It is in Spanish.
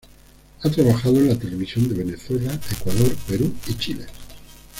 Ha trabajado en la televisión de Venezuela, Ecuador, Perú y Chile.